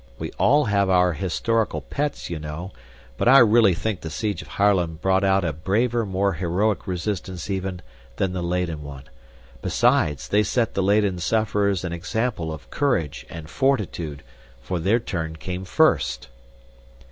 We all have our historical pets, you know, but I really think the siege of Haarlem brought out a braver, more heroic resistance even, than the Leyden one; besides, they set the Leyden sufferers an example of courage and fortitude, for their turn came first."